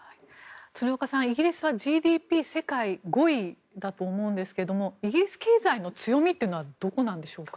鶴岡さん、イギリスはＧＤＰ世界５位だと思うんですがイギリス経済の強みというのはどこなんでしょうか？